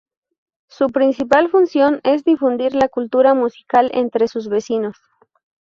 Su principal función es difundir la cultura musical entre sus vecinos.